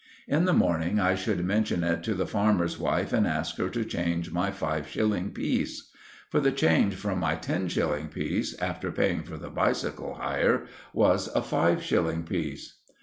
In the morning I should mention it to the farmer's wife and ask her to change my five shilling piece. For the change from my ten shilling piece, after paying for the bicycle hire, was a five shilling piece.